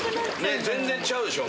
全然ちゃうでしょ？